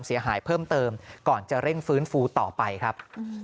เสียหายเพิ่มเติมก่อนจะเร่งฟื้นฟูต่อไปครับ